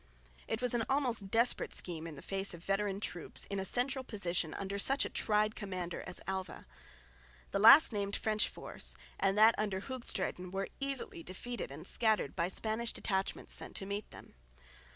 It was an almost desperate scheme in the face of veteran troops in a central position under such a tried commander as Alva. The last named French force and that under Hoogstraeten were easily defeated and scattered by Spanish detachments sent to meet them.